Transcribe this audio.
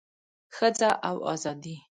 ښځه او ازادي